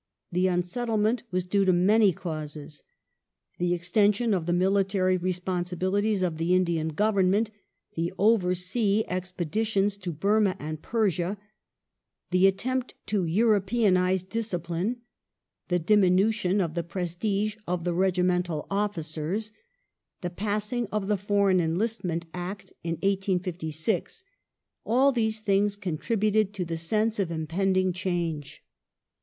The unsettlement was due to many causes. The extension of the military responsibilities of the Indian Government ; the over sea expeditions to Burma and Persia ; the attempt to Europeanize discipline ; the diminution of the prestige of the regimental officers ; the passing of the Foreign Enlistment Act (1856) ; all these things contributed to the sense of impending change.